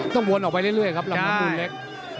วนออกไปเรื่อยครับลำน้ำมูลเล็ก